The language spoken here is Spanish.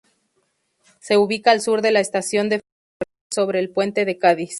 Se ubica al sur de la Estación de Ferrocarril, sobre el Puente de Cádiz.